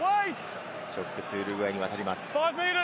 直接ウルグアイにわたります。